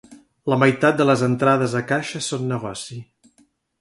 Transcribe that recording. La meitat de les entrades a caixa són negoci.